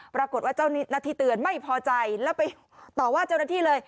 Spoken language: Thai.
ปรากฏว่าเจ้าหน้าที่เตือนไม่พอใจแล้วไปต่อว่าเจ้าหน้าที่เลย